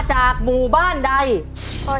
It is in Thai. จิตตะสังวโรครับ